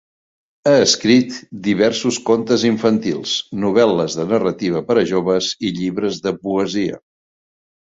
Ha escrit diversos contes infantils, novel·les de narrativa per a joves i llibres de poesia.